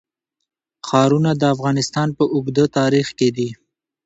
ښارونه د افغانستان په اوږده تاریخ کې دي.